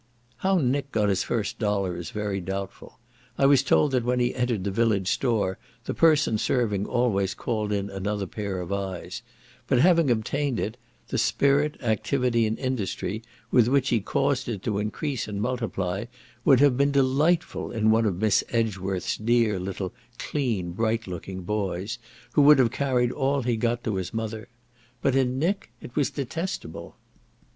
How Nick got his first dollar is very doubtful; I was told that when he entered the village store, the person serving always called in another pair of eyes; but having obtained it, the spirit, activity, and industry, with which he caused it to increase and multiply, would have been delightful in one of Miss Edgeworth's dear little clean bright looking boys, who would have carried all he got to his mother; but in Nick it was detestable.